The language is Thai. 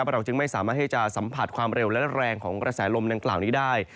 เราจึงไม่สามารถที่จะสัมผัสความเร็วและแรงของกระแสลมดังกล่าวนี้ได้